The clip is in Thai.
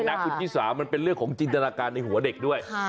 นะคุณชิสามันเป็นเรื่องของจินตนาการในหัวเด็กด้วย